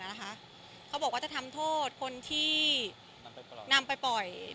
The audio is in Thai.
เขาบอกว่าจะทำโทษคนที่นำไปปล่อย